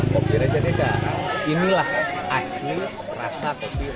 kopi raja desa inilah asli rasa kopi raja desa